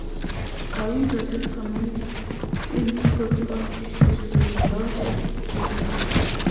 Darwin jotted comments in his copy of this volume: Laws of Geograph.